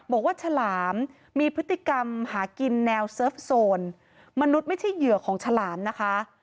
ฉลามมีพฤติกรรมหากินแนวเซิร์ฟโซนมนุษย์ไม่ใช่เหยื่อของฉลามนะคะ